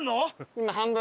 今半分。